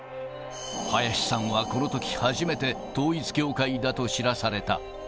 林さんはこのとき初めて統一教会だと知らされた。